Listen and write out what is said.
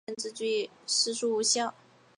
并且宣告越线之举皆属无效。